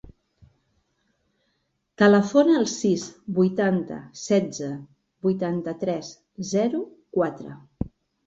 Telefona al sis, vuitanta, setze, vuitanta-tres, zero, quatre.